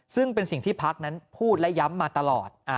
ซึ่งเป็นสิ่งที่พักนั้นพูดและย้ำมาตลอด